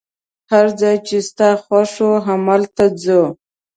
هر ځای چي ستا خوښ وو، همالته ځو.